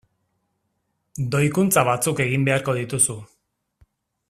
Doikuntza batzuk egin beharko dituzu.